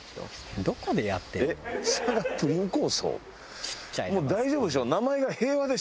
「どこでやってるの？」